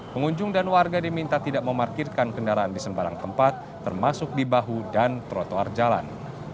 pengunjung dan warga diminta tidak memarkirkan kendaraan di sembarang tempat termasuk di bahu dan trotoar jalan